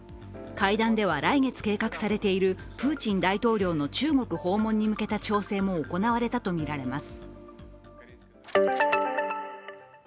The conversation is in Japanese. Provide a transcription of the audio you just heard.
会談では、来月計画されているプーチン大統領の中国訪問に向けた調整も行われたとみれます。